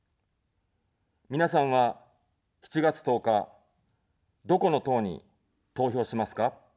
皆さんは、７月１０日、どこの党に投票しますか。